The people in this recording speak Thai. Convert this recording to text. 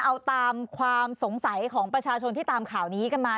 เอาตามความสงสัยของประชาชนที่ตามข่าวนี้กันมา